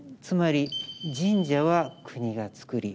つまり神社は国が造り